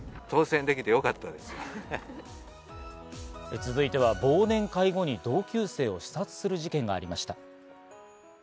続いては忘年会後に同級生を刺殺する事件がありました。